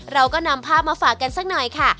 เราก็นำภาพมาฝากกันสักหน่อยค่ะ